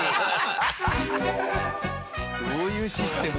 どういうシステム？